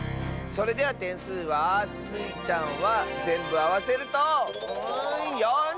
それではてんすうはスイちゃんはぜんぶあわせると４０てん！